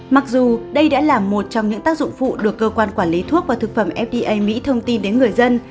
mặc dù đây đã là một trong những tác dụng phụ được cơ quan quản lý thuốc và thực phẩm fda mỹ thông tin đến người dân